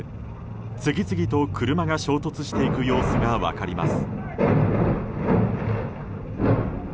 次々と車が衝突していく様子が分かります。